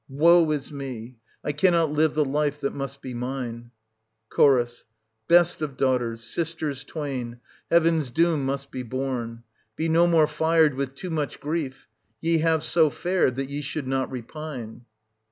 Woe is me! I cannot live the life that must be mine. Ch. Best of daughters, sisters twain. Heaven's doom must be borne : be no more fired with too much grief: ye have so fared that ye should not repine.